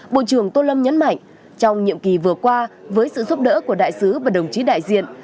bộ trưởng tô lâm nhấn mạnh trong nhiệm kỳ vừa qua với sự giúp đỡ của đại sứ và đồng chí đại diện